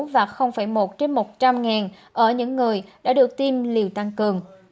và một trên một trăm linh ngàn ở những người đã được tiêm liều tăng cường